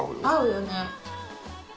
合うよね。